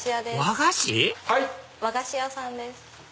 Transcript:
和菓子⁉和菓子屋さんです。